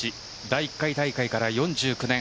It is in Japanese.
第１回大会から４９年。